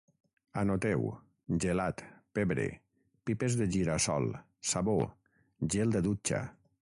Anoteu: gelat, pebre, pipes de gira-sol, sabó, gel de dutxa